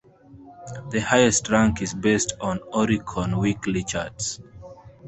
The highest rank is based on Oricon weekly charts